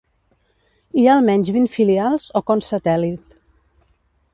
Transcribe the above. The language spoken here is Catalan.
Hi ha almenys vint filials o cons satèl·lit.